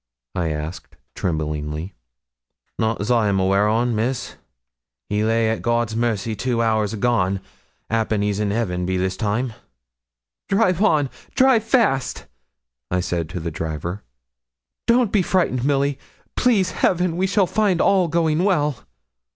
I asked, tremblingly. 'Not as I'm aweer on, Miss; he lay at God's mercy two hours agone; 'appen he's in heaven be this time.' 'Drive on drive fast,' I said to the driver. 'Don't be frightened, Milly; please Heaven we shall find all going well.'